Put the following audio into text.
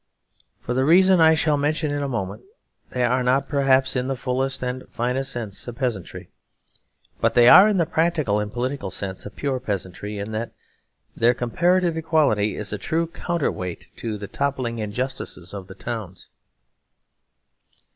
For the reason I shall mention in a moment, they are not perhaps in the fullest and finest sense a peasantry. But they are in the practical and political sense a pure peasantry, in that their comparative equality is a true counterweight to the toppling injustice of the towns.